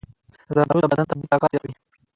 زردآلو د بدن طبیعي طاقت زیاتوي.